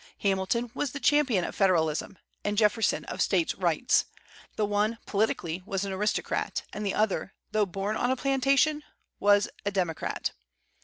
Hamilton was the champion of Federalism, and Jefferson of States' Rights; the one, politically, was an aristocrat, and the other, though born on a plantation, was a democrat.